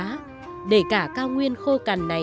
cho giá cả những ngôi cáo này